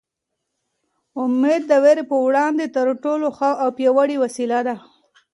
امېد د وېرې په وړاندې تر ټولو ښه او پیاوړې وسله ده.